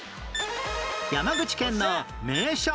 山口県の名所問題